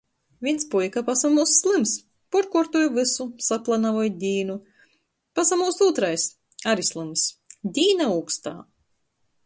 Vīns puika pasamūst slyms. Puorkuortoj vysu, saplanavoj dīnu. Pasamūst ūtrais, ari slyms. Dīna ūkstā.